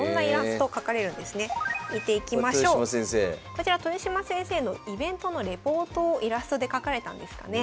こちら豊島先生のイベントのレポートをイラストで描かれたんですかね。